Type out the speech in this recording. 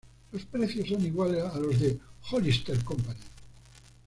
Los precios son iguales a los de Hollister Co.